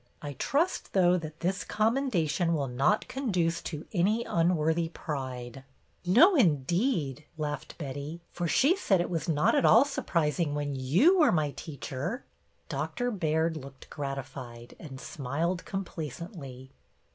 I trust, though, that this commendation will not conduce to any unworthy pride." JANE'S "SEED PICTER" 189 " No, indeed," laughed Betty, " for she said it was not at all surprising when you were my teacher." Doctor Baird looked gratified and smiled complacently.